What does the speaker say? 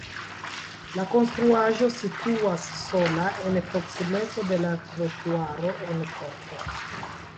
La konstruaĵo situas sola en proksimeco de la trotuaro en korto.